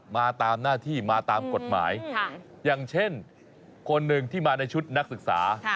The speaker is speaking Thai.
มาตามหน้าที่มาตามกฎหมายอย่างเช่นคนหนึ่งที่มาในชุดนักศึกษา